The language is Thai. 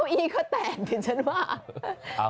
เก้าอี้เขาแตกถือฉันว่า